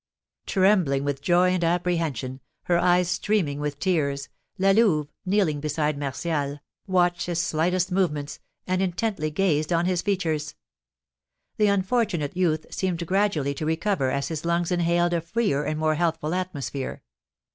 Trembling with joy and apprehension, her eyes streaming with tears, La Louve, kneeling beside Martial, watched his slightest movements, and intently gazed on his features. The unfortunate youth seemed gradually to recover as his lungs inhaled a freer and more healthful atmosphere.